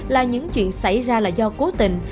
là những chuyện xảy ra là do cố tình